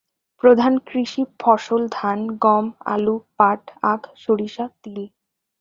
প্রধান কৃষি ফসল ধান, গম, আলু, পাট, আখ, সরিষা, তিল।